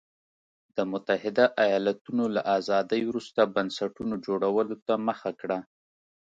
د متحده ایالتونو له ازادۍ وروسته بنسټونو جوړولو ته مخه کړه.